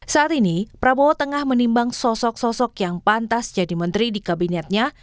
saat ini prabowo tengah menimbang sosok sosok yang pantas jadi menteri di kabinetnya